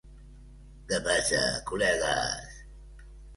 Què passa, col·legues?